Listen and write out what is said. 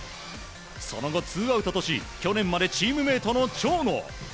その後、ツーアウトとし去年までチームメートの長野。